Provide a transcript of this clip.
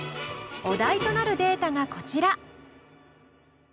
お題となるデータがこちら。